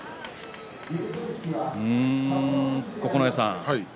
九重さん。